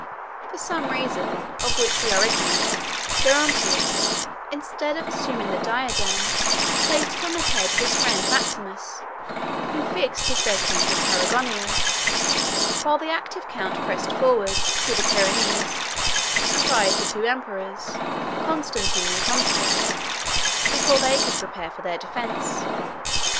From some reason, of which we are ignorant, Gerontius, instead of assuming the diadem, placed it on the head of his friend Maximus, who fixed his residence at Tarragona, while the active count pressed forwards, through the Pyrenees, to surprise the two emperors, Constantine and Constans, before they could prepare for their defence.